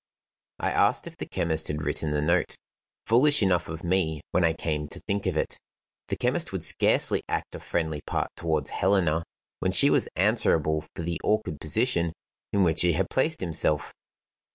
I asked if the chemist had written the note. Foolish enough of me when I came to think of it. The chemist would scarcely act a friendly part toward Helena, when she was answerable for the awkward position in which he had placed himself.